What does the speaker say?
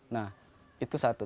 nah itu satu